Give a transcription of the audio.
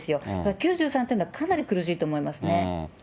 ９３っていうのはかなり苦しいと思いますね。